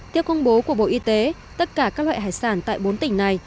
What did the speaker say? theo công bố của bộ y tế tất cả các loại hải sản tại bốn tỉnh này